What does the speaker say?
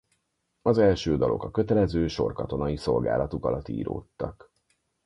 Az első dalok a kötelező sorkatonai szolgálatuk alatt íródtak.